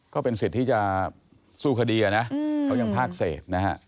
ก็เป็นสิทธิ์ที่จะสู้คดีนะเขายังภาคเศษนะฮะ